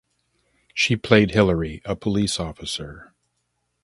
She played Hilary, a police officer.